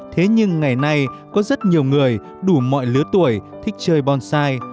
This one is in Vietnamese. thế nhưng ngày nay có rất nhiều người đủ mọi lứa tuổi thích chơi bonsai